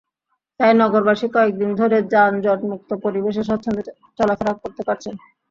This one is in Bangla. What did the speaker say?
তাই নগরবাসী কয়েক দিন ধরে যানজটমুক্ত পরিবেশে স্বচ্ছন্দে চলাফেরা করতে পারছেন।